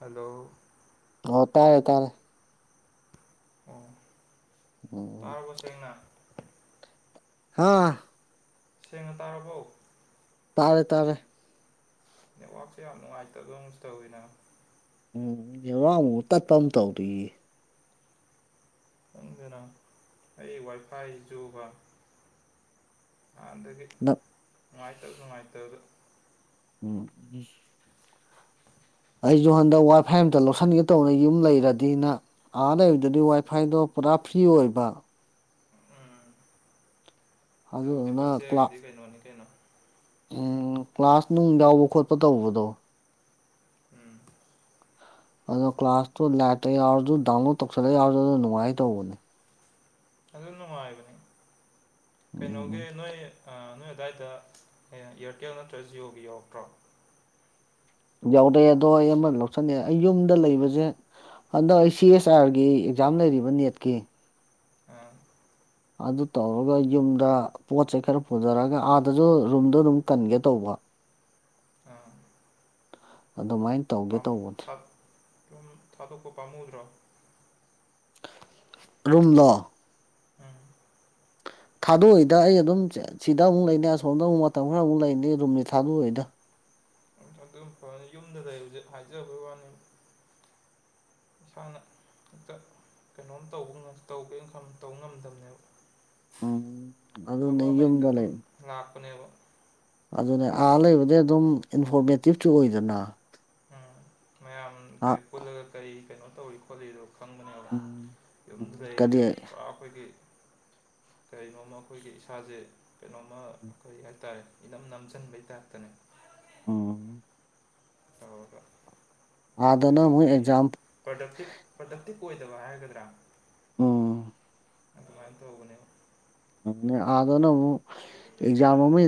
hello ꯍ ꯇꯔꯦ ꯇꯔꯦ ꯑꯣ ꯎꯝ ꯇꯥꯔꯕ ꯁꯦꯡꯅ ꯍꯥꯥ ꯁꯦꯡꯅ ꯇꯥꯔꯕꯣ ꯇꯥꯔꯦ ꯇꯥꯔꯦ ꯅꯦꯠꯋꯥꯛꯁꯦ ꯌꯥꯝ ꯅꯨꯡꯉꯥꯏꯇꯕ ꯑꯃꯁꯁꯨ ꯇꯧꯋꯤꯅ ꯎꯝꯔꯃꯨ ꯇꯠꯄ ꯑꯃ ꯇꯧꯗꯔꯤ ꯆꯪꯗꯨꯅ ꯑꯩ ꯋꯥꯏꯐꯥꯏ ꯌꯨꯒ ꯅꯍꯥꯟꯗꯒꯤ ꯅꯪ ꯅꯨꯡꯉꯥꯏꯇꯕ ꯅꯨꯡꯉꯥꯏꯇꯕꯁꯨ ꯎꯝ ꯑꯩꯁꯨ ꯍꯟꯗꯛ ꯋꯥꯏꯐꯥꯏ ꯑꯃꯝꯇ ꯂꯧꯁꯤꯟꯒꯦ ꯇꯧꯕꯅ ꯌꯨꯝ ꯂꯩꯔꯗꯤꯅ ꯑꯍꯥꯟ ꯂꯩꯕꯗꯗꯤ ꯋꯥꯏ ꯐꯥꯏꯗꯣ ꯄꯨꯔꯥ ꯐ꯭ꯔꯤ ꯑꯣꯏꯕ ꯑꯗꯨꯗꯤ ꯑꯗꯨꯗꯨꯅ ꯍꯣꯇꯤ ꯀ꯭ꯂꯥ ꯍꯥꯏꯒꯤꯗꯤ ꯀꯩꯅꯣ ꯋꯥꯅꯤ ꯀꯩꯅꯣ ꯎꯝ ꯀ꯭ꯂꯥꯁ ꯅꯨꯡ ꯌꯥꯎꯕ ꯈꯣꯠꯄ ꯇꯧꯕꯗꯣ [inaudible] ꯑꯗꯨꯗꯣ ꯀ꯭ꯂꯥꯁꯇꯣ ꯂꯥꯛꯇ ꯌꯥꯎꯔꯁꯨ ꯗꯥꯎꯟꯂꯣꯗ ꯇꯧꯁꯜꯂ ꯌꯥꯎꯔꯁꯨ ꯅꯨꯡꯉꯥꯏ ꯇꯧꯕꯅꯦ ꯑꯗꯨ ꯅꯨꯡꯉꯥꯏꯕꯅꯤ ꯀꯩꯅꯣꯒꯤ ꯎꯝ ꯅꯣꯏ ꯅꯣꯏ ꯑꯗꯨꯗꯥꯏꯗ ꯏꯌꯥꯔꯇꯦꯜ ꯅꯠꯇ꯭ꯔ ꯖꯤꯌꯣꯒꯤ ꯌꯥꯎꯔꯛꯇ꯭ꯔꯣ ꯌꯥꯎꯔꯑꯦ ꯑꯗꯣ ꯑꯩ ꯑꯃ ꯂꯧꯁꯟꯅꯤꯡꯑꯦ ꯑꯩ ꯌꯨꯝꯗ ꯂꯩꯕꯁꯦ ꯍꯟꯗꯛ ꯑꯩ ꯁꯤ ꯑꯦꯁ ꯑꯥꯔꯒꯤ ꯑꯦꯛꯖꯥꯝ ꯂꯩꯔꯤꯕ ꯅꯦꯠꯀꯤ ꯑ ꯑꯗꯨ ꯇꯧꯔꯒ ꯌꯨꯝꯗ ꯄꯣꯠ ꯆꯩ ꯈꯔ ꯄꯨꯖꯔꯛꯑꯒ ꯑꯥꯗꯁꯨ ꯔꯨꯝꯗ ꯑꯗꯨꯝ ꯀꯟꯒꯦ ꯇꯧꯕ ꯑꯥ ꯑꯗꯨꯃꯥꯏꯅ ꯇꯧꯒꯦ ꯇꯧꯕꯅꯦ ꯑꯗꯨꯨꯝ ꯊꯥꯗꯣꯛꯄ ꯄꯥꯝꯃꯨꯗ꯭ꯔꯣ ꯔꯨꯝꯂꯣ ꯎ ꯊꯥꯗꯣꯛꯏꯗ ꯑꯩ ꯑꯗꯨꯝ ꯁꯤꯗ ꯑꯃꯨꯛ ꯂꯩꯅꯤ ꯑꯁꯣꯝꯗ ꯑꯃꯨꯛ ꯃꯇꯝ ꯈꯔ ꯑꯃꯨꯛ ꯂꯩꯅꯤ ꯔꯨꯝꯁ ꯊꯥꯗꯣꯛꯑꯣꯏꯗ ꯑꯗꯨꯝ ꯐꯅꯤ ꯌꯨꯝꯗ ꯂꯩꯕꯁꯦ ꯍꯥꯏꯖꯕꯩ ꯋꯥꯅꯤ ꯁꯅꯠꯇ ꯀꯩꯅꯣꯝ ꯇꯧꯕ ꯇꯧꯒꯦꯅ ꯇꯧꯕ ꯉꯝꯗꯕꯅꯦꯕ ꯎꯝ ꯑꯗꯨꯅꯦ ꯊꯕꯛ ꯑꯃ ꯍꯦꯛꯇ ꯌꯨꯝꯗ ꯑꯗꯨꯝ ꯂꯩ ꯂꯥꯛꯄꯅꯦꯕ ꯑꯗꯨꯅꯦ ꯑꯥ ꯂꯩꯕꯗꯤ ꯑꯗꯨꯝ ꯏꯟꯐꯣꯔꯃꯦꯇꯤꯞꯁꯨ ꯑꯣꯏꯗꯅ ꯎꯝ ꯃꯌꯥꯝ ꯑ ꯀꯔꯤ ꯄꯨꯜꯂꯒ ꯀꯔꯤ ꯀꯩꯅꯣ ꯇꯧꯔꯤ ꯈꯣꯠꯂꯤꯗꯣ ꯈꯪꯕꯅꯦꯕ ꯎꯝ ꯌꯨꯝꯗ ꯎꯝ ꯂꯩꯔꯤꯁꯨ ꯀꯔꯤ ꯄꯨꯔꯥ ꯑꯩꯈꯣꯏꯒꯤ ꯀꯔꯤꯅꯣꯝꯃ ꯑꯩꯈꯣꯏꯒꯤ ꯏꯁꯥꯁꯦ ꯀꯩꯅꯣꯝꯃ ꯀꯔꯤ ꯍꯥꯏꯇꯥꯔꯦ ꯏꯅꯝ ꯅꯝꯁꯤꯟꯕꯩ ꯇꯥꯏꯞꯇꯅꯦ ꯎꯝ ꯇꯧꯔꯒ ꯑꯥꯗꯅ ꯑꯩꯈꯣꯏꯒꯤ ꯑꯃꯨꯛ ꯀꯔꯤ ꯑꯦꯛꯖꯥꯝ ꯄ꯭ꯔꯗꯛꯇꯤꯞ ꯄ꯭ꯔꯗꯛꯇꯤꯞ ꯑꯣꯏꯗꯕ ꯍꯥꯏꯒꯗ꯭ꯔꯥ ꯎꯝ ꯑꯗꯨꯃꯥꯏꯅ ꯇꯧꯕꯅꯦ ꯑꯥꯗꯅ ꯑꯃꯨꯛ ꯑꯦꯛꯖꯥꯝ ꯑꯃ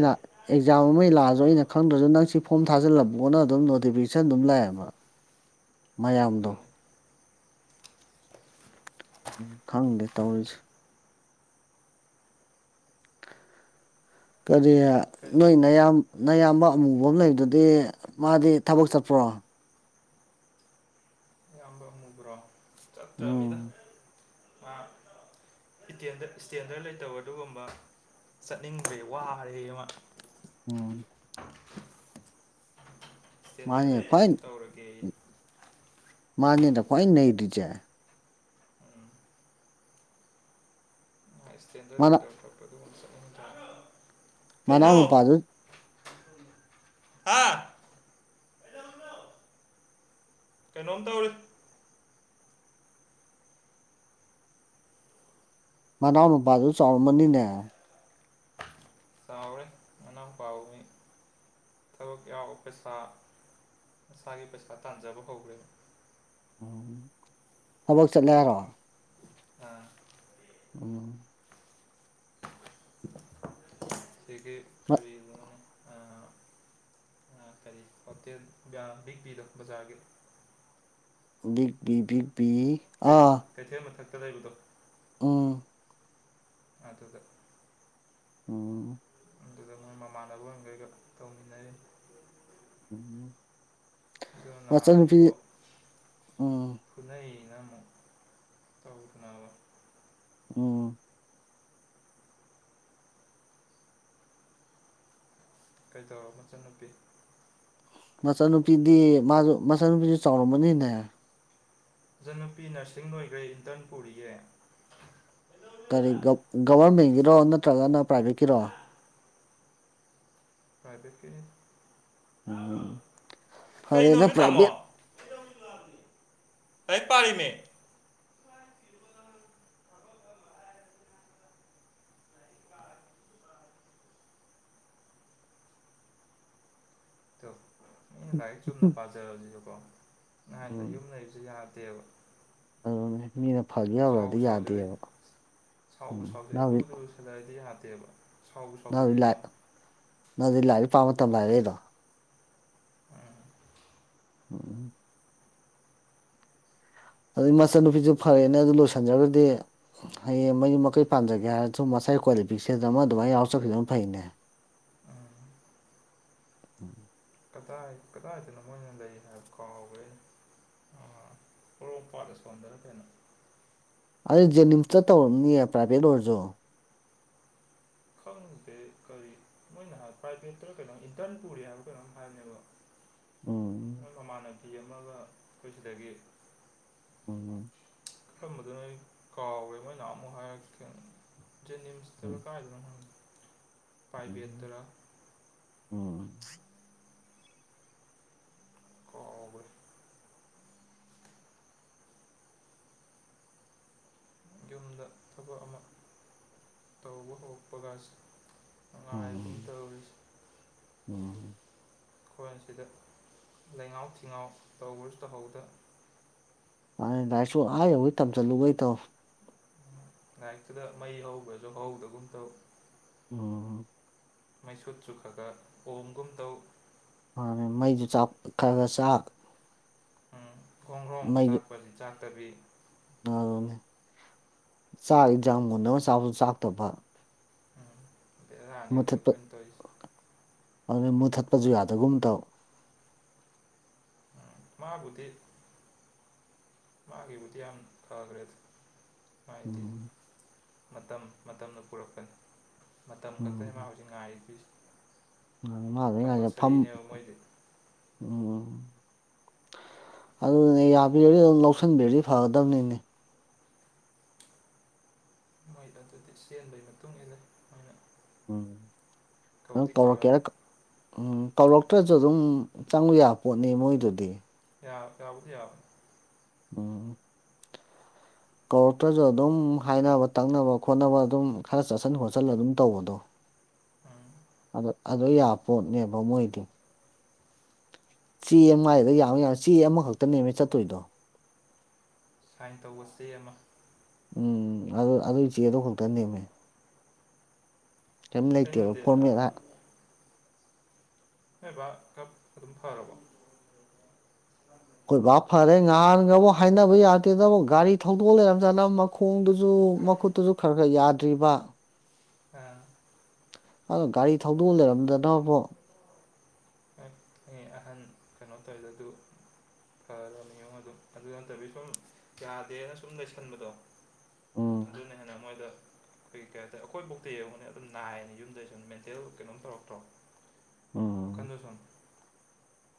ꯑꯦꯛꯖꯥꯝ ꯑꯃ ꯂꯥꯛꯑꯁꯨ ꯑꯩꯅ ꯈꯪꯗ꯭ꯔꯁꯨ ꯅ ꯁꯤ ꯐꯣꯝ ꯊꯥꯖꯤꯜꯂꯝꯕꯣꯅ ꯑꯗꯨꯝ ꯅꯣꯇꯤꯐꯤꯀꯦꯁꯟ ꯑꯗꯨꯝ ꯂꯥꯛꯑꯦꯕ [unintelligible] ꯃꯌꯥꯝꯗꯣ ꯑꯗꯨꯅꯤ ꯎꯝ ꯈꯪꯗꯦ ꯇꯧꯔꯤꯁꯨ ꯀꯔꯤ ꯀꯩꯅꯣ ꯅꯣꯏꯅ ꯌꯥꯝ ꯅꯌꯥꯝꯕ ꯑꯃꯨꯕ ꯑꯃ ꯂꯩꯕꯗꯨꯗꯤ ꯃꯥꯗꯤ ꯊꯕꯛ ꯆꯠꯄ꯭ꯔꯣ ꯑꯌꯥꯝꯕ ꯃꯨꯕ꯭ꯔꯣ ꯆꯠꯇ꯭ꯔꯃꯤꯗ ꯎꯝ ꯃꯥ ꯏꯁꯇꯦꯟꯗꯔꯠ ꯂꯩꯇꯕ ꯑꯗꯨꯒꯨꯝꯕ ꯆꯠꯅꯤꯡꯕꯦ ꯋꯥꯔꯦ ꯑꯃ ꯎꯝ ꯇꯦꯟꯗꯔ ꯃꯥꯅꯦ ꯂꯩꯕ ꯈ꯭ꯋꯥꯏ ꯇꯧꯔꯒꯦ ꯃꯥꯥꯟꯅꯤꯅ ꯀꯣꯏ ꯅ ꯗꯤꯖꯦ ꯎꯝ ꯏꯁꯇꯦꯟꯗꯔꯗ ꯃꯅꯥ ꯂꯩꯇꯕ ꯈꯣꯠꯄ ꯑꯗꯨꯒꯨꯝ ꯆꯠꯅꯤꯡ ꯊ ꯃꯅꯥꯎ ꯅꯨꯄꯥꯥ ꯑꯗꯨ ꯑꯥ ꯀꯩꯅꯣꯝ ꯇꯧꯔ ꯃꯅꯥꯎ ꯃꯨꯄꯥꯗꯨ ꯆꯥꯎꯔꯝꯃꯅꯤꯅꯦ ꯆꯥꯎꯔꯦ ꯃꯅꯥꯎꯄꯥꯕꯨ ꯃꯤ ꯊꯕꯛ ꯌꯥꯎꯕ ꯄꯩꯁꯥ ꯃꯁꯥꯒꯤ ꯄꯩꯁꯥ ꯇꯥꯟꯖꯕ ꯍꯧꯈ꯭ꯔꯦ ꯎꯝ ꯊꯕꯛ ꯆꯠꯂꯦ ꯍꯥꯏꯔꯣ ꯑꯥ ꯑ ꯑꯩꯒꯤ ꯃ ꯀꯔꯤꯅ ꯀꯔꯤ ꯍꯣꯇꯦꯜ ꯕꯤꯛ ꯄꯗꯣ ꯕꯖꯥꯔꯒꯤ ꯕꯤꯒ ꯕꯤ ꯕꯤꯒ ꯕꯤ ꯑꯥ ꯀꯗꯗꯣ ꯎꯝ ꯑꯗꯨꯗ ꯎꯝ ꯑꯗꯨꯗ ꯃꯣꯏ ꯃꯃꯥꯟꯅꯕ ꯑꯣꯏꯅꯒꯩꯒ ꯇꯧꯃꯤꯟꯅꯩ ꯎꯝ ꯀ ꯃꯆꯟꯅꯨꯄꯤ ꯅꯍꯅꯤꯕꯣ ꯎꯝ ꯈꯨꯅꯩ ꯃꯣ ꯇꯧꯅꯕ ꯑꯣ ꯀꯩꯗꯧꯔꯕ ꯃꯆꯟꯅꯨꯄꯤ ꯃꯆꯥꯟꯅꯨꯄꯤꯗꯤ ꯃꯥꯁꯨ ꯃꯆꯥꯅꯨꯄꯤꯁꯨ ꯆꯥꯎꯔꯝꯃꯅꯤꯅꯦ ꯏꯖꯟꯅꯨꯄꯤ ꯅꯔꯁꯤꯡ ꯂꯣꯏꯈ꯭ꯔꯦ ꯏꯟꯇꯔꯟ ꯄꯨꯔꯤꯌꯦꯦ ꯀꯔꯤ ꯒꯕꯔꯃꯦꯟꯒꯤꯔꯣ ꯅꯠꯇ꯭ꯔꯒꯅ ꯄ꯭ꯔꯥꯏꯚꯦꯠ ꯀꯤꯔꯣ ꯄ꯭ꯔꯥꯏꯚꯦꯠꯀꯤ ꯎꯝ ꯐꯔꯦꯅ ꯄ꯭ꯔꯕ ꯂꯥꯢꯔꯤꯛ ꯄꯒꯤꯃꯦ ꯇꯨ ꯃꯤ ꯂꯥꯢꯔꯤꯛ ꯆꯨꯝꯅ ꯄꯥꯖꯕꯁꯤꯥꯁꯨ ꯀꯣ ꯅꯍꯗ ꯌꯨꯝ ꯎꯝ ꯂꯩꯕꯁꯨ ꯌꯥꯗꯦꯕ ꯑꯗꯨꯅꯦ ꯃꯤꯅ ꯐꯒꯦ ꯍꯧꯔꯗꯤ ꯁꯥꯎꯕꯨ ꯁꯥꯎꯖꯜꯂꯛꯏ ꯌꯥꯗꯦꯕ ꯎꯝ ꯅꯪ ꯀꯩꯕ ꯅꯗꯤ ꯂꯥꯛ ꯅꯪꯗꯤ ꯂꯥꯏꯔꯤꯛꯄꯥ ꯃꯇꯝ ꯍꯥꯢꯔꯛ ꯢ ꯔꯣ ꯎꯝ ꯎꯝ ꯑꯗꯨꯗꯩ ꯃꯆꯟꯅꯨꯄꯤꯁꯦ ꯐꯔꯦꯅꯦ ꯑꯗꯨ ꯂꯣꯏꯁꯟꯖ꯭ꯔꯒꯗꯤ ꯍꯌꯦꯡ ꯃꯌꯨꯝ ꯃꯀꯩ ꯄꯥꯟꯖꯒꯦ ꯍꯥꯏꯔꯁꯨ ꯃꯁꯥꯏꯒꯤ ꯀ꯭ꯋꯥꯂꯤꯐꯤꯀꯦꯁꯟ ꯑꯃ ꯑꯗꯨꯃꯥꯏꯅ ꯌꯥꯎꯔ ꯆꯈꯤꯗꯅ ꯐꯩꯅꯦ ꯎꯝ ꯎꯝ ꯀꯗꯥꯏ ꯀꯗꯥꯏꯗꯅꯣ ꯃꯣꯏꯅ ꯂꯩ ꯍꯥꯏꯕ ꯀꯥꯎꯋꯦ [inaudible] ꯑꯗꯨ ꯖꯦꯅꯤꯝꯁꯇ ꯇꯧꯔꯝꯅꯤꯌꯦ ꯄ꯭ꯔꯥꯏꯚꯦꯠ ꯑꯣꯏꯔꯁꯨ ꯈꯪꯗꯦ ꯀꯔꯤ ꯃꯣꯏꯅ ꯄ꯭ꯔꯥꯏꯚꯦꯠꯇ ꯀꯩꯅꯣꯝ ꯏꯟꯇꯔꯟ ꯄꯨꯔꯦ ꯍꯥꯏꯕ ꯀꯩꯅꯣꯝ ꯍꯥꯏꯕꯅꯦꯕ ꯎꯝ ꯅꯣꯏ ꯃꯃꯥꯟꯅꯕꯤ ꯑꯃꯒ ꯑꯩꯈꯣꯏ ꯁꯤꯗꯒꯤ ꯎꯝꯝ ꯀꯔꯝꯕꯗꯨꯅ ꯅ ꯑꯩ ꯀꯥꯎꯔꯦ ꯃꯣꯏ ꯅꯍꯟ ꯑꯃꯨꯛ ꯍꯥꯏꯔꯛꯀꯦꯅ ꯎꯝ ꯖꯅꯤꯝꯁꯇ꯭ꯕ ꯀꯥꯢꯗꯅꯣ ꯈꯪꯗꯦ ꯎꯝ ꯄꯥꯏꯕꯦꯠꯇꯔꯥ ꯎꯝ ꯀꯥꯎꯒ꯭ꯔꯦ ꯌꯨꯝꯗ ꯊꯕꯛ ꯑꯃ ꯇꯧꯕ ꯍꯧꯔꯄꯒꯁꯤ ꯉꯥꯏ ꯑꯗꯨꯝ ꯎꯝ ꯇꯧꯔꯤꯁꯦ ꯎꯝ ꯑꯩꯈꯣꯏ ꯑꯁꯤꯗ ꯂꯩꯉꯥꯎ ꯊꯤꯉꯥꯎ ꯇꯧꯕꯁꯨ ꯇꯧꯍꯧꯗ ꯃꯥꯅꯦ ꯂꯥꯢꯔꯤꯛꯁꯨ ꯑ ꯌꯧꯉꯩ ꯇꯝꯖꯟꯂꯨꯕ ꯇꯧ ꯂꯥꯏꯔꯤꯛꯇꯨꯗ ꯃꯩ ꯍꯧꯕꯁꯨ ꯍꯧꯗꯒꯨꯝ ꯇꯧ ꯎꯝ ꯃꯩꯁꯨꯨꯠ ꯆꯨꯈ꯭ꯔꯒ ꯑꯣꯝꯒꯨꯝ ꯇꯧ ꯑꯗꯨ ꯃꯩꯗꯨ ꯆꯥꯛ ꯈꯔ ꯈꯔ ꯆꯥꯛ ꯒꯦꯡꯒꯔꯣꯡ ꯃꯩꯁꯨ ꯆꯥꯛꯄ ꯆꯥꯛꯇꯕꯤ ꯑꯗꯨꯅꯦ ꯆꯥꯛ ꯌꯦꯖꯥꯡ ꯃꯨꯟꯅꯕ ꯆꯥꯕꯁꯨ ꯆꯥꯛꯇꯕ ꯎꯝ ꯕꯦꯔꯥꯅꯤ ꯍꯧꯖꯤꯛ ꯑꯩꯈꯣꯢꯅ ꯇꯧꯔꯤꯁꯦ ꯑꯗꯨꯅ ꯃꯨꯊꯠꯄꯁꯨ ꯌꯥꯗꯒꯨꯝ ꯇꯧ ꯃꯥꯕꯨꯗꯤ ꯃꯥꯒꯤꯕꯨꯗꯤ ꯌꯥꯝ ꯐꯈ꯭ꯔꯦ ꯍꯥꯏꯗꯤ ꯎꯝ ꯃꯇꯝ ꯃꯇꯝꯅ ꯄꯨꯔꯛꯀꯅꯤ ꯃꯇꯝ ꯈꯛꯇꯅꯦ ꯃꯥ ꯍꯧꯖꯤꯛ ꯉꯥꯏꯗꯣꯢ ꯃꯥ ꯃꯥꯗ ꯉꯥꯏꯁꯦ ꯐꯝ ꯃꯣꯏꯗꯤ ꯎꯝ ꯑꯗꯨꯅꯦ ꯌꯥꯕꯤꯔꯗꯤ ꯑꯗꯨꯝ ꯂꯧꯁꯤꯟꯕꯤꯔꯗꯤ ꯐꯒꯗꯕꯅꯤꯅꯦ ꯃꯣꯏ ꯑꯗꯨꯗꯤ ꯆꯦꯟꯕꯩ ꯃꯇꯨꯡ ꯏꯟꯂꯦ ꯎꯝ ꯅꯪ ꯀꯧꯔꯛꯑꯅꯤ ꯀꯧꯔꯛꯀꯦꯔꯥ ꯎꯝ ꯀꯧꯔ ꯈ ꯈ꯭ꯔꯁꯨ ꯑꯗꯨꯝ ꯆꯪꯕ ꯌꯥꯕ ꯄꯣꯠꯅꯤ ꯃꯣꯏꯗꯨꯗꯤ ꯌꯥ ꯌꯥꯕꯨꯗꯤ ꯌꯥꯕ ꯑꯣ ꯀꯧꯔꯛꯇ꯭ꯔꯁꯨ ꯑꯗꯨꯝ ꯍꯥꯏꯅꯕ ꯇꯛꯅꯕ ꯈꯣꯠꯅꯕ ꯑꯗꯨꯝ ꯈꯔ ꯆꯠꯁꯤꯟ ꯈꯣꯠꯆꯟ ꯑꯗꯨꯝ ꯇꯧꯕꯗꯣ ꯎꯝ ꯑꯗꯨ ꯌꯥ ꯄꯣꯠꯅꯦꯕ ꯃꯣꯏꯗꯤ ꯆꯦ ꯑꯃꯥꯏꯗ ꯌꯥꯝꯃ ꯌꯥꯝ ꯆꯦ ꯑꯃꯈꯛꯇ ꯅꯦꯝꯃꯦ ꯆꯠꯇꯣꯏꯗꯣ ꯁꯥꯏꯟ ꯇꯧꯕ ꯆꯦ ꯑꯃ ꯎꯝ ꯑꯗꯨ ꯑꯗꯨ ꯏ ꯆꯦꯗꯣ ꯈꯛꯇ ꯅꯦꯝꯃꯦ ꯀꯔꯤꯝ ꯂꯩꯇꯦꯕ ꯀꯩꯅꯣꯗꯤ ꯐꯣꯔꯃꯦꯠ ꯍꯕꯞ ꯑꯗꯨ ꯑꯗꯨꯝ ꯐꯥꯔꯔꯕꯣ ꯑꯩꯈꯣꯏ ꯚꯕꯥꯞ ꯐꯔꯦ ꯉꯍꯥꯟꯒꯕꯨꯥꯎ ꯍꯥꯏꯅꯕ ꯌꯥꯗꯦꯗꯕꯨ ꯒꯥꯔꯤ ꯊꯧꯗꯣꯛ ꯂꯩꯔꯝꯖꯥꯠꯅ ꯃꯈꯣꯏ ꯈꯣꯡꯗꯨꯁꯨ ꯃꯈꯨꯠꯇꯨꯁꯨ ꯈꯔ ꯈꯔ ꯌꯥꯗ꯭ꯔꯤꯕ ꯑ ꯑꯗꯣ ꯒꯥꯔꯤ ꯊꯧꯗꯣꯛꯑ ꯂꯩꯔꯝꯗꯅꯕꯣ ꯑꯦ ꯑꯍꯟ ꯀꯩꯅꯣ ꯇꯧꯋꯦꯗ ꯑꯗꯨ ꯐꯔ ꯃꯤꯉꯨꯡ ꯑꯗꯨ ꯑꯗꯨ ꯅꯠꯇꯕꯤ ꯁꯨꯝ ꯌꯥꯗꯦꯅ ꯁꯨꯝ ꯂꯩꯁꯟꯕꯗꯣ ꯎꯝ ꯊꯟꯗꯨꯅ ꯍꯦꯟꯅ ꯃꯣꯏꯗ ꯑꯩꯈꯣꯏ ꯀꯩ ꯍꯥꯏꯇꯥꯦ ꯑꯩꯈꯣꯏꯐꯧꯇ ꯌꯦꯡꯉꯨꯅꯦ ꯑꯗꯨꯝ ꯅꯥꯏꯌꯦꯅꯤ ꯌꯨꯝꯗꯩ ꯁꯨꯝ ꯃꯦꯟꯇꯦꯜ ꯀꯩꯅꯣꯝ ꯇꯧꯔꯛꯇ꯭ꯔꯣ ꯎꯝ ꯋꯥꯈꯟꯗ ꯁꯨꯝ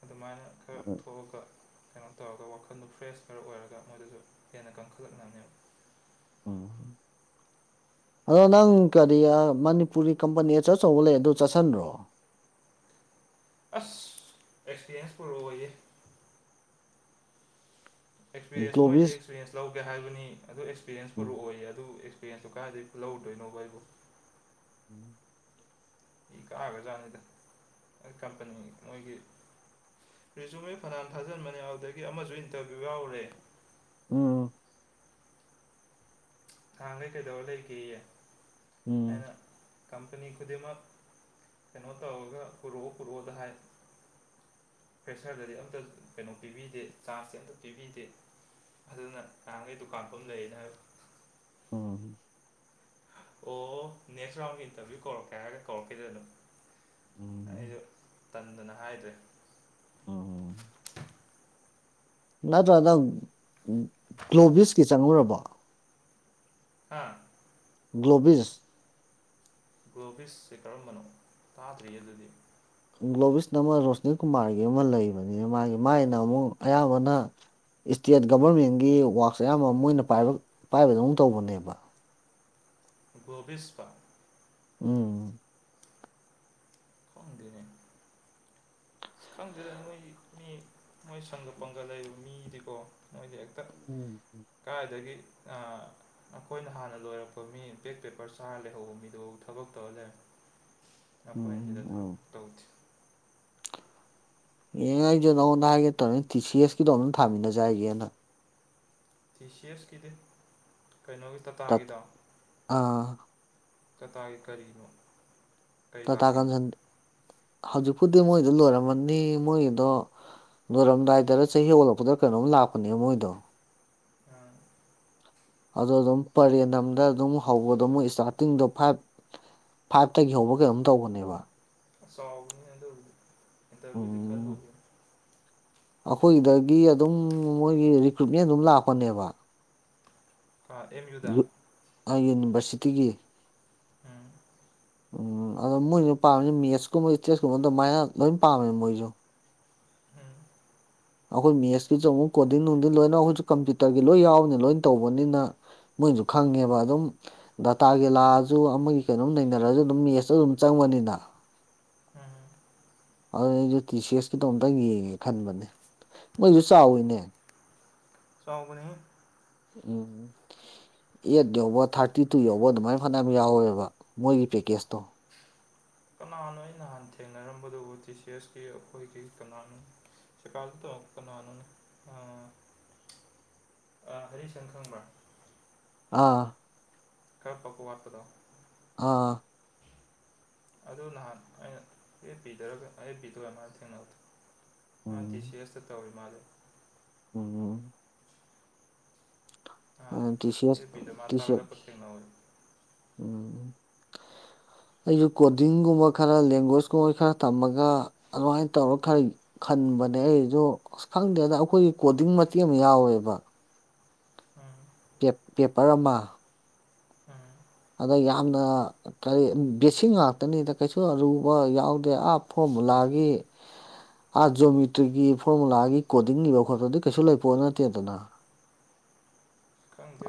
ꯑꯗꯨꯃꯥꯏꯅ ꯈꯔ ꯊꯣꯛꯑꯒ ꯀꯩꯅꯣ ꯇꯧꯔꯒ ꯋꯥꯈꯜꯗꯨ ꯐ꯭ꯔꯦꯁ ꯈꯔ ꯑꯣꯏꯔꯒ ꯃꯣꯏꯗꯨꯁꯨ ꯍꯦꯟꯅ ꯀꯟꯈꯠꯂꯛꯅꯕꯅꯦꯕ [unintelligible] ꯎꯝ ꯑꯗꯣ ꯅꯪ ꯀꯔꯤ ꯃꯅꯤꯄꯨꯔꯤ ꯀꯝꯄꯅꯤ ꯑꯆꯧ ꯑꯆꯧꯕ ꯂꯩ ꯑꯗꯨ ꯆꯠꯁꯟ꯭ꯔꯣ ꯎꯝ ꯑꯦꯛꯁꯄꯤꯔꯤꯌꯦꯟꯁ ꯄꯔꯕ ꯑꯣꯏꯦ ꯑꯦꯛꯁꯄꯤꯔꯦꯟꯁ ꯃꯣꯏꯗꯤ ꯒ꯭ꯂꯣꯕꯤꯁ ꯑꯦꯛꯁꯄꯤꯔꯦꯟꯁ ꯂꯧꯒꯦ ꯍꯥꯏꯕꯅꯤ ꯑꯗꯨ ꯑꯦꯛꯁꯄꯤꯔꯦꯟꯁ ꯎꯝ ꯄꯨꯔꯛꯑꯣꯏꯌꯦ ꯑꯗꯨ ꯆꯦꯟꯁꯨꯣ ꯀꯥꯏꯏꯗꯩ ꯂꯧ ꯎꯗꯣꯏꯅꯣꯕ ꯑꯩꯕꯨ ꯎꯝ ꯏ ꯀꯛꯑꯒꯖꯥꯠꯅꯤꯗ ꯑꯩ ꯀꯝꯄꯅꯤ ꯃꯣꯏꯒꯤ ꯔꯤꯖꯨꯋ ꯐꯅꯥꯟ ꯊꯥꯖꯟꯕꯅꯤ ꯌꯥꯎꯗꯒꯤ ꯑꯃꯁꯨ ꯏꯟꯇꯔꯚꯤꯌꯨ ꯌꯥꯎꯔꯦ ꯎꯝ ꯊꯥꯡꯉꯦ ꯀꯦꯗꯔꯦ ꯂꯩꯒꯦꯌꯦ ꯎꯝ ꯑꯩꯅ ꯀꯝꯄꯅꯤ ꯈꯨꯗꯤꯡꯃꯛ ꯀꯩꯅꯣ ꯇꯧꯔꯒ ꯄꯨꯔꯛꯑꯣ ꯄꯨꯔꯛꯑꯣꯗ ꯍꯥꯏ ꯐ꯭ꯔꯦꯁꯔꯗꯗꯤ ꯑꯝꯇ ꯀꯩꯅꯣ ꯄꯤꯕꯤꯗꯦ ꯆꯥꯖꯇꯤ ꯑꯝꯇ ꯄꯤꯕꯤꯗꯦ ꯑꯗꯨꯅ ꯉꯔꯍꯥꯡꯈꯩ ꯗꯨꯀꯥꯟ ꯐꯝ ꯂꯩꯌꯦꯅ ꯍꯥꯏꯕ ꯑꯣꯝ ꯑꯣ ꯅꯦꯛꯁ ꯔꯥꯎ ꯏꯟꯇꯔꯚꯨ ꯀꯣꯔꯔ ꯀ ꯍꯥꯏꯒ ꯀꯧꯔꯀꯦꯗꯅꯣ ꯎꯝ ꯑꯩꯁꯨ ꯇꯟꯗꯅ ꯍꯥꯏꯗ꯭ꯔꯦ ꯎꯝ ꯎꯝ ꯅꯠꯇ꯭ꯔ ꯅꯪ ꯒ꯭ꯂꯣꯕꯤꯁꯀꯤ ꯆꯪꯉꯨꯔꯕ ꯍꯥꯥ ꯒ꯭ꯂꯣꯕꯤꯁ ꯒ꯭ꯂꯣꯕꯤꯁꯁꯦ ꯀꯔꯝꯕꯅꯣ ꯇꯥꯗ꯭ꯔꯤ ꯑꯗꯨꯗꯤ ꯒ꯭ꯂꯣꯕꯤꯁ ꯑꯃ ꯔꯣꯁꯅꯤ ꯀꯨꯃꯥꯔꯒꯤ ꯑꯃ ꯂꯩꯕꯅꯤꯅ ꯃꯥꯒꯤ ꯃꯥꯒꯤꯅ ꯑꯃꯨꯛ ꯑꯌꯥꯝꯕꯅ ꯏꯁꯇꯦꯠ ꯒꯚꯔꯃꯦꯟꯒꯤ ꯋꯥꯛꯁ ꯑꯌꯥꯝꯕ ꯃꯣꯏꯅ ꯄꯥꯏꯕꯗꯧꯨꯛ ꯇꯧꯕꯅꯦꯕ ꯣꯕꯤꯤꯁꯄ ꯎꯝ ꯐꯗꯅꯦ ꯑ ꯈꯪꯗꯦꯗ ꯅꯣꯏ ꯃꯤ ꯅꯣꯏ ꯁꯪꯒ ꯄꯪꯒ ꯂꯩꯔꯤꯕ ꯃꯤꯗꯤꯀꯣ ꯅꯣꯏꯗꯤ ꯎꯝ ꯀꯥꯏꯗꯒꯤ ꯑꯩꯈꯣꯏꯅ ꯍꯥꯟꯅ ꯂꯣꯏꯔꯛꯄ ꯃꯤꯄꯦꯛ ꯄꯦꯄꯔ ꯆꯥꯔ ꯂꯩꯍꯧꯕ ꯃꯤꯗꯨ ꯊꯕꯛ ꯇꯧꯔ ꯂꯩꯔꯦ ꯑꯩꯈꯣꯏꯅ ꯁꯤꯗ ꯎꯝ ꯎꯝ ꯈꯔꯐꯥꯎ ꯇꯧꯗꯦ ꯑꯦꯡ ꯑꯩꯁꯦ ꯅꯉꯣꯟꯗ ꯍꯥꯏꯒꯦ ꯇꯧꯅꯤ ꯇꯤ ꯁꯤ ꯑꯦꯁ ꯀꯗꯣ ꯑꯝꯇ ꯊꯥꯃꯤꯟꯅꯖꯥꯏꯒꯦꯅ ꯇꯤ ꯁꯤ ꯑꯦꯁꯀꯤꯗꯤ ꯀꯩꯅꯣꯒꯤ ꯇꯥ- ꯇꯥꯇꯥꯒꯤꯗꯣ ꯑꯥ ꯆꯇꯥꯒꯤ ꯀꯔꯤꯅꯣ ꯀꯩ ꯇꯥꯇꯥ ꯂꯥꯛꯀꯦ ꯀꯟꯁꯟ ꯍꯧꯖꯤꯛꯄꯨꯗꯤ ꯃꯣꯏꯗ ꯂꯣꯏꯔꯝꯃꯅꯤ ꯃꯣꯏꯒꯤꯗꯣ ꯂꯣꯏꯔꯝꯗꯥꯏꯗꯗ ꯆꯍꯤ ꯑꯣꯜꯂꯛꯄꯗ ꯀꯩꯅꯣꯝ ꯂꯥꯛꯄꯅꯦ ꯃꯣꯏꯗꯣ ꯑꯝ ꯑꯗ ꯑꯗꯨꯝ ꯄꯔꯦꯟꯗꯝꯗ ꯑꯗꯨꯝ ꯍꯧꯕꯗꯣ ꯑꯃꯨꯛ ꯏꯁꯇꯥꯔꯇꯤꯡꯗꯣ ꯐꯥꯏꯚ ꯐꯥꯏꯚꯇꯒꯤ ꯍꯧꯕ ꯀꯩꯅꯣꯝ ꯇꯧꯕꯅꯦꯕ ꯁꯥꯥꯎꯐꯅꯤ ꯏꯟꯗꯔ ꯏꯟꯇꯔꯚ꯭ꯨ ꯎꯝ ꯂ ꯑꯩꯈꯣꯏꯗꯒꯤ ꯑꯗꯨꯝ ꯃꯣꯏꯒꯤ ꯔꯤꯀ꯭ꯔꯨꯏꯠꯃꯦꯟ ꯑꯗꯨꯝ ꯂꯥꯛꯄꯅꯦꯕ ꯑꯦꯝ ꯌꯨꯗ ꯌꯨꯅꯤꯚꯔꯁꯤꯇꯤꯒꯤ ꯎꯝ ꯎꯝ ꯑꯗꯣ ꯃꯣꯏꯁꯨ ꯄꯥꯝꯃꯤ ꯃꯦꯠꯁꯀꯨꯝꯕꯁ ꯇꯦꯁꯀꯨꯝꯕ ꯑꯗꯨꯃꯥꯏꯅ ꯂꯣꯏ ꯄꯥꯝꯃꯦ ꯃꯣꯏꯁꯨ ꯎꯝ ꯑꯩꯈꯣꯏ ꯃꯦꯁꯀꯤ ꯆ ꯑꯃꯨꯛ ꯀꯣꯗꯤꯡ ꯅꯨꯡꯗꯤꯡ ꯂꯣꯏꯅ ꯑꯩꯈꯣꯏꯁꯨ ꯀꯝꯄ꯭ꯌꯨꯇꯔꯒꯤ ꯂꯣꯏ ꯌꯥꯎꯕꯅꯤ ꯂꯣꯏꯅ ꯇꯧꯕꯅꯤꯅ ꯃꯣꯏꯁꯨ ꯈꯪꯉꯦꯕ ꯑꯗꯨꯝ ꯗꯗꯥꯇꯥꯒꯤ ꯂꯥꯛꯑꯁꯨ ꯑꯃꯒꯤ ꯀꯩꯅꯣꯝ ꯅꯩꯅꯔꯁꯨ ꯑꯗꯨꯝ ꯃꯦꯠꯁꯇ ꯑꯗꯨꯝ ꯆꯪꯕꯅꯤꯅ ꯎꯝꯝ ꯑꯗꯨꯅ ꯑꯩꯁꯨ ꯇꯤ ꯁꯤ ꯑꯦꯁꯀꯤꯇꯣ ꯑꯝꯨꯛꯇꯪ ꯌꯦꯡꯉꯦ ꯈꯟꯕꯅꯦ ꯃꯣꯏꯁꯨ ꯆꯥꯎꯋꯤꯅꯦ ꯆꯥꯎꯒ ꯎꯝ ꯑꯦꯠ ꯌꯧꯕ ꯊꯥꯔꯇꯤ ꯇꯨ ꯌꯧꯕ ꯑꯗꯨꯃꯥꯏꯅ ꯐꯅꯌꯥꯝ ꯌꯥꯎꯋꯦꯕ ꯃꯣꯏꯒꯤ ꯄꯦꯀꯦꯖꯇꯣ ꯀꯅꯥꯅꯣ ꯑꯩ ꯅꯍꯥꯟ ꯊꯦꯡꯅꯔꯝꯕꯗꯨ ꯑꯣ ꯇꯤ ꯁꯤ ꯑꯦꯁꯀꯤ ꯑꯩꯈꯣꯏꯒꯤ ꯀꯅꯥꯅꯣ ꯁꯀꯥ ꯊ ꯀꯅꯥꯅꯅ ꯑ ꯑ ꯍꯔꯤꯁꯟ ꯈꯪꯕ꯭ꯔ ꯑꯥ ꯈꯔ ꯐꯕ ꯋꯥꯠꯄꯗꯣ ꯑꯥ ꯑꯗꯨ ꯅꯍꯥꯟ ꯑꯩꯅ ꯑꯦꯐ ꯕꯤꯗꯔꯒ ꯑꯦꯐ ꯕꯤꯗ ꯑꯣꯏꯃꯥꯟ ꯊꯦꯡꯅꯕꯗꯣ ꯑ ꯇꯤ ꯎꯝ ꯁꯤ ꯑꯦꯁ ꯇ ꯇꯧꯏ ꯃꯥꯜꯂ‌ꯦ ꯎꯝ ꯑ ꯅꯍꯥꯟ ꯇꯤ ꯁꯤ ꯑꯦꯁ ꯑꯦꯜ ꯄꯤꯗ ꯃꯥ ꯇꯁ ꯊꯥꯒꯠꯂꯛꯄ ꯊꯦꯡꯅꯍꯧꯋꯦ ꯎꯝ [inaudible] ꯑꯩꯁꯨ ꯀꯣꯗꯤꯡꯒꯨꯝꯕ ꯈꯔ ꯂꯦꯡꯒ꯭ꯋꯦꯁꯀꯨꯝꯕ ꯈꯔ ꯇꯝꯃꯒ ꯑꯗꯨꯃꯥꯏꯅ ꯇꯧꯔ ꯈꯔ ꯈꯟꯕꯅꯦ ꯑꯩꯗꯣ ꯑꯁ ꯈꯪꯗꯦꯗ ꯑꯩꯈꯣꯏꯒꯤ ꯀꯣꯗꯤꯡ ꯃꯇꯦꯛ ꯑꯃ ꯌꯥꯎꯋꯦꯕ ꯎꯝ ꯄ‌ꯦ ꯄꯦꯄꯔ ꯑꯃ ꯎꯝ ꯑꯗ ꯌꯥꯝꯅ ꯀꯔꯤ ꯕꯦꯠꯁꯤꯡ ꯉꯥꯛꯇꯅꯤꯗ ꯀꯩꯁꯨ ꯑꯔꯨꯕ ꯌꯥꯎꯗꯦ ꯑꯞ ꯐꯣ ꯃꯨꯂꯥꯒꯤ ꯑꯥ ꯖ‌ꯣꯃꯤꯇ꯭ꯔꯤꯒꯤ ꯐꯣꯔꯃꯨꯂꯥꯒꯤ ꯀꯣꯗꯤꯡ ꯏꯕ ꯈꯣꯠꯄ ꯑꯗꯨ ꯀꯩꯁꯨ ꯂꯩꯄꯣꯠ ꯅꯠꯇꯦꯗꯅ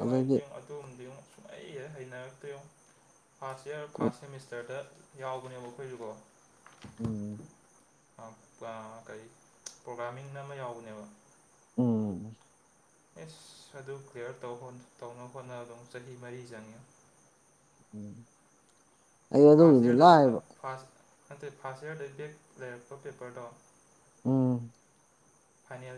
ꯑꯗꯩꯗꯤ ꯑꯗꯣꯝꯗꯤ ꯁꯨꯡꯍꯩ ꯍꯦꯛ ꯍꯩꯅꯔꯛꯇ‌ꯦꯉ‌ꯣ ꯐꯥꯔꯁ ꯏꯌꯥꯔ ꯀꯣ- ꯐꯥꯔꯁ ꯁꯦꯃꯤꯁꯇꯔꯗ ꯌꯥꯎꯕꯅꯦꯕ ꯑꯩꯈꯣꯏꯁꯨꯀꯣ ꯎꯝ ꯀꯔꯤ ꯄ꯭ꯔꯣꯒ꯭ꯔꯥꯃꯤꯡꯅ ꯑꯃ ꯌꯥꯎꯕꯅꯦꯕ ꯎꯝ ꯑꯦꯁ ꯑꯗꯨ ꯀ꯭ꯂꯤꯌꯥꯂꯤꯌꯥꯔ ꯇꯧ ꯇꯧꯅ ꯍꯣꯠꯅ ꯑꯗꯨꯝ ꯆꯍꯤ ꯃꯔꯤ ꯆꯪꯉꯦ ꯐꯥꯔꯁ ꯑꯩꯉ‌ꯣꯟꯗꯕꯨꯗꯤ ꯏꯌꯥꯔꯗ ꯊꯥ ꯂꯥꯏꯌ‌ꯦꯕ ꯐꯥꯔꯁ ꯅꯠꯇꯦ ꯐꯥꯔꯁ ꯏꯌꯥꯔꯗꯩ ꯕꯦꯛ ꯂꯩꯔꯛꯄ ꯄꯦꯄꯔꯗꯣ ꯎꯝ ꯐꯥꯏꯅ‌ꯦꯜ ꯌꯔ